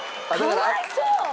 かわいそう。